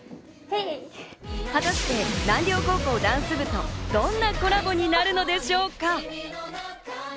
果たして南稜高校ダンス部とどんなコラボになるのでしょうか。